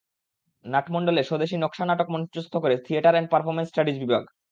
নাটমণ্ডলে স্বদেশি নকশা নাটক মঞ্চস্থ করে থিয়েটার অ্যান্ড পারফরম্যান্স স্টাডিজ বিভাগ।